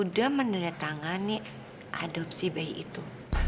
sudah menandatangani adopsi bayi itu